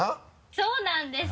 そうなんです